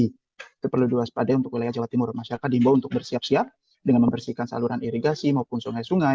itu perlu diwaspadai untuk wilayah jawa timur masyarakat diimbau untuk bersiap siap dengan membersihkan saluran irigasi maupun sungai sungai